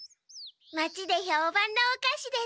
町でひょうばんのおかしです。